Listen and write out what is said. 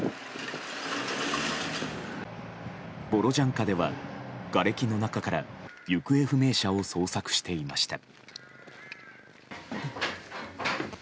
ボロジャンカではがれきの中から行方不明者を捜索していました。